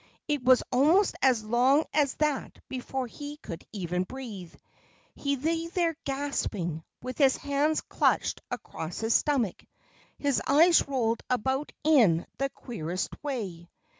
It was almost as long as that before he could even breathe. He lay there gasping, with his hands clutched across his stomach. His eyes rolled about in the queerest way.